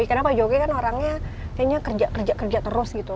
karena pak jokowi orangnya kayaknya kerja kerja terus gitu